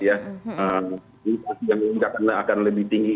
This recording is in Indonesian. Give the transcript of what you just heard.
yang tinggi akan lebih tinggi